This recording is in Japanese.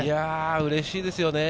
うれしいですよね。